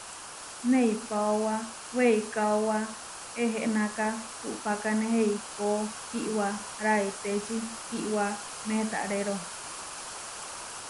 Neipaóba weikáoba ehenáka, uʼpákane eikó iʼwá raitéči iʼwá meetaréro.